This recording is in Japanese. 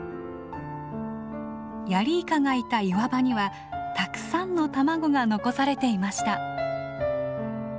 ヤリイカがいた岩場にはたくさんの卵が残されていました。